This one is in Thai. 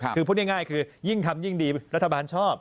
เรื่องง่ายยิ่งทำยิ่งดีรัฐบาลชอบ